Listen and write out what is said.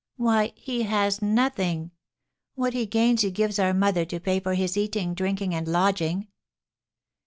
"Why, he has nothing. What he gains he gives our mother to pay for his eating, drinking, and lodging."